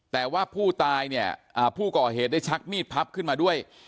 แต่ว่าผู้ตายเนี่ยผู้ก่อเหตุได้ชักมีดพับขึ้นมาด้วย